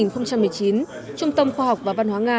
trung tâm khoa học và văn hóa nga